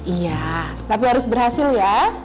iya tapi harus berhasil ya